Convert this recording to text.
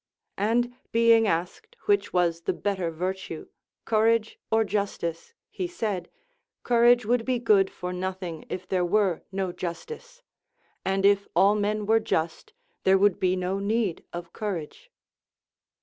And being asked which was the better virtue, courage or justice, he said : Courage Avould be good for nothing, if there were no justice ; and if all men were just, there would be no need of courage.